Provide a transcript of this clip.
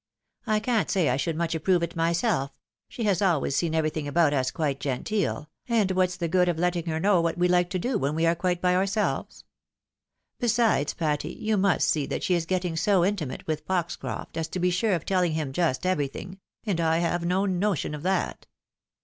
I can't say I should much approve it myself ^ she has always seen everything about us quite genteel, and what's the good of letting her know what we Uke to do when we are quite by ourselves ? Besides, Patty, you must see that she is getting so intimate with Foxcroft as to be sure of telling him just everything — and I have no notion of that.